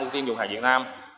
ưu tiên dùng hàng việt nam